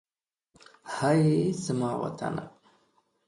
هئ! زما وطنه.